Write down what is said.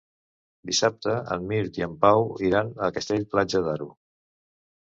Dissabte en Mirt i en Pau iran a Castell-Platja d'Aro.